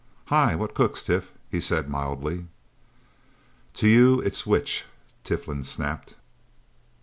"Hi what cooks, Tif?" he said mildly. "To you it's which?" Tiflin snapped.